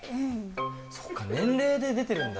そっか、年齢で出てるんだ。